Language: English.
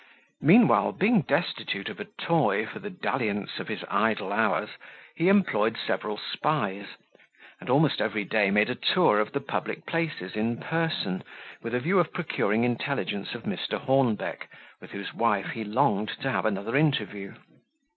Meanwhile, being destitute of a toy for the dalliance of his idle hours, he employed several spies, and almost every day made a tour of the public places in person, with a view of procuring intelligence of Mr. Hornbeck, with whose wife he longed to have another interview.